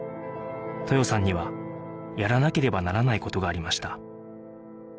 豊さんにはやらなければならない事がありました